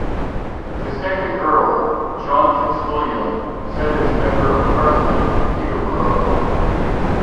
The second Earl, John Fitzwilliam, sat as Member of Parliament for Peterborough.